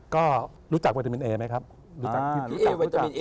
ก็รู้จักวิตามินเอไหมครับรู้จักทีมพี่เอวิตามินเอ